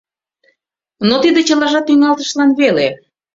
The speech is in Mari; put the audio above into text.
Но тиде чылажат тӱҥалтышлан веле.